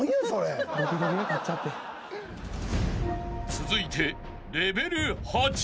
［続いて］